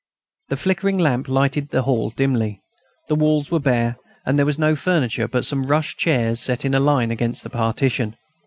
The flickering lamp lighted the hall dimly. The walls were bare, and there was no furniture but some rush chairs set in a line against the partition.